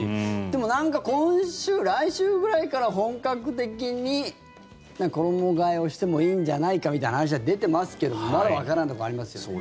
でもなんか今週、来週ぐらいから本格的に衣替えをしてもいいんじゃないかみたいな話は出てますけどまだわからないところありますよね。